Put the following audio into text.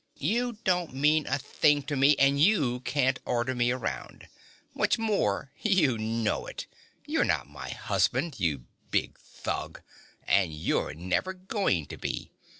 "You don't mean a thing to me and you can't order me around. What's more, you know it. You're not my husband, you big thug and you're never going to be.